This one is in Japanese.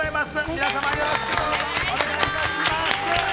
皆さん、よろしくどうぞ、お願いいたします。